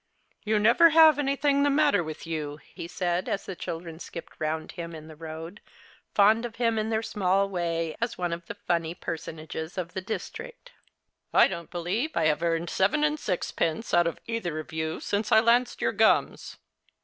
" You never have anything the matter with you," he said, as the children skipped round him in the road, fond of him in their small way. as one of the funny personages of the district. " I don't believe I have earned seven and sixpence out of either of you since I lanced your gums."